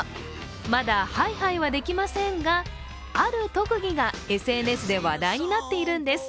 まだハイハイはできませんが、ある特技がＳＮＳで話題になっているんです。